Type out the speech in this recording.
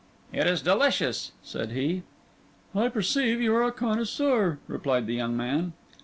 "It is delicious," said he. "I perceive you are a connoisseur," replied the young man.